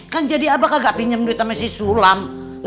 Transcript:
kan jadi abah kagak pinjem duit sama si sulam